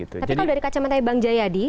tapi kalau dari kacamata yang bang jayadi